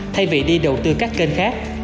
thay vì đi đầu tư các kênh khác